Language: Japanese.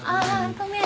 ごめん。